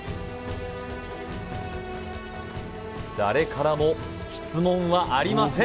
誰からも質問はありません